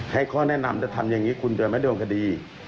ให้ข้อแนะนำจะทำอย่างนี้คุณโดยไม่โดนคดี